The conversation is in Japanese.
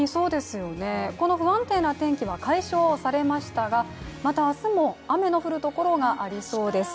この不安定な天気は解消されましたがまた明日も雨の降るところがありそうです。